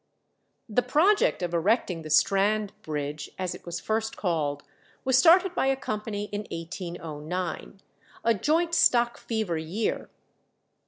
The project of erecting the Strand Bridge, as it was first called, was started by a company in 1809, a joint stock fever year.